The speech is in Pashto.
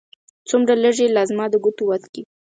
څومره لږې! لا زما د ګوتو وت کې